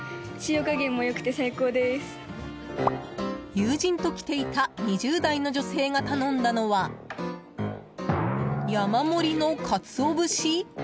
友人と来ていた２０代の女性が頼んだのは山盛りのかつお節。